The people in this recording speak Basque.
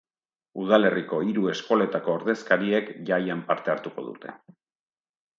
Udalerriko hiru eskoletako ordezkariek jaian parte hartuko dute.